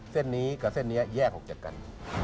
เส้นนี้กับเส้นนี้แยกออกจากกัน